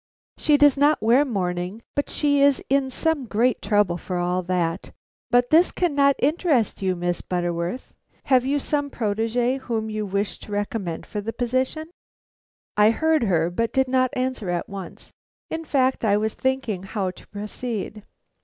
"She does not wear mourning; but she is in some great trouble for all that. But this cannot interest you, Miss Butterworth; have you some protégé whom you wished to recommend for the position?" I heard her, but did not answer at once. In fact, I was thinking how to proceed.